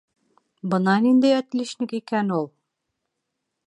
Бына ниндәй «отличник» икән ул!..